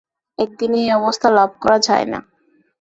একদিনেই এই অবস্থা লাভ করা যায় না।